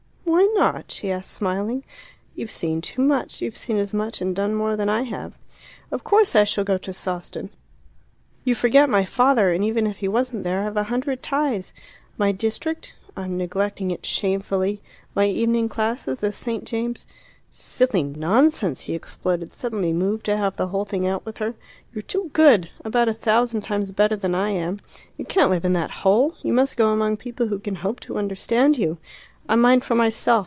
"Why not?" she asked, smiling. "You've seen too much. You've seen as much and done more than I have." "But it's so different. Of course I shall go to Sawston. You forget my father; and even if he wasn't there, I've a hundred ties: my district I'm neglecting it shamefully my evening classes, the St. James' " "Silly nonsense!" he exploded, suddenly moved to have the whole thing out with her. "You're too good about a thousand times better than I am. You can't live in that hole; you must go among people who can hope to understand you. I mind for myself.